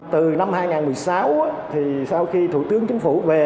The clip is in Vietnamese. từ năm hai nghìn một mươi sáu thì sau khi thủ tướng chính phủ về